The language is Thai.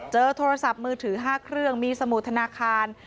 โทรศัพท์มือถือ๕เครื่องมีสมุดธนาคาร